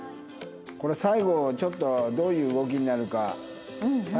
これ最後ちょっとどういう動きになるか。